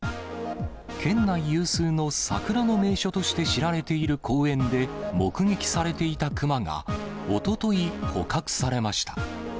県内有数の桜の名所として知られている公園で、目撃されていた熊がおととい、捕獲されました。